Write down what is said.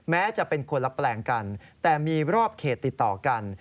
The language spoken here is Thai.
แม้จะเป็นคนละแปลงกันแต่มีรอบเขตติดต่อกัน